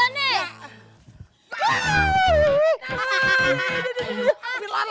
ran kesal lu ran